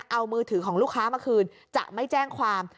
เอามือถือของลูกค้ามาคืนจะไม่แจ้งความ